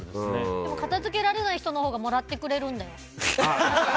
でも片付けられない人のほうがもらってくれるんだよ。